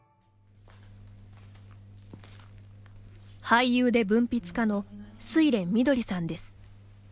俳優で文筆家の睡蓮みどりさんです。